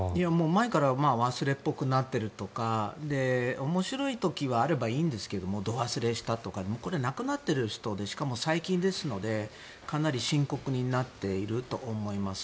前から忘れっぽくなってるとか面白い時があればいいんですが度忘れしたとかこれは亡くなっている人でしかも最近ですのでかなり深刻になっていると思います。